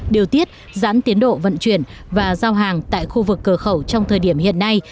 điều tiết giãn tiến độ vận chuyển và giao hàng tại khu vực cửa khẩu trong thời điểm hiện nay